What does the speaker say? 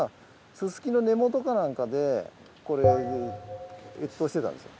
ススキの根元か何かでこれ越冬してたんですよ。